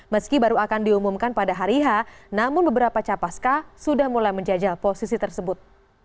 meski baru akan diumumkan pada hari h namun beberapa capaska sudah mulai menjajal posisi tersebut